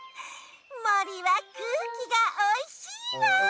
もりはくうきがおいしいわ！